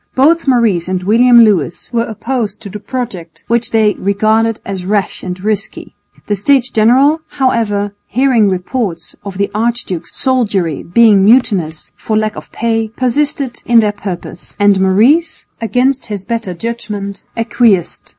Both Maurice and William Lewis were opposed to the project, which they regarded as rash and risky. The States General, however, hearing reports of the archduke's soldiery being mutinous for lack of pay, persisted in their purpose, and Maurice, against his better judgment, acquiesced.